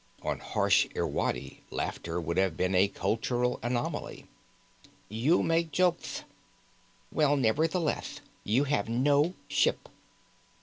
On harsh Irwadi, laughter would have been a cultural anomaly. "You make joketh. Well, nevertheleth, you have no ship."